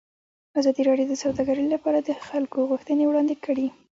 ازادي راډیو د سوداګري لپاره د خلکو غوښتنې وړاندې کړي.